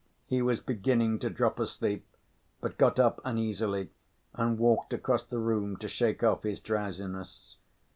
He was beginning to drop asleep, but got up uneasily and walked across the room to shake off his drowsiness.